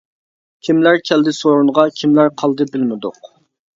كىملەر كەلدى سورۇنغا، كىملەر قالدى بىلمىدۇق.